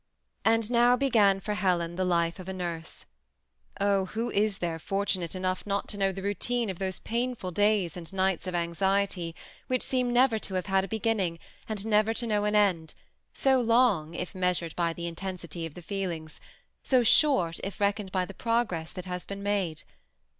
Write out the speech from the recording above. And now began for Helen the life of a nurse. Oh ! who is there fortunate enough not to know the routine 312 THE SEMI ATTACHED COUPLE. of those painful days and nights of anxiety, which seem never to have had a beginning, and never to know an end, — so long, if measured by the intensity of the feel ings, — so short, if reckoned by the progress that has been made